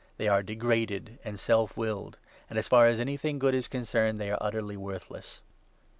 They are degraded and self willed ; and, as far as anything good is concerned, they are utterly worthless.